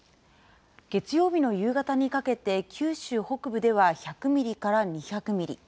月曜日の夕方にかけて、九州北部では１００ミリから２００ミリ。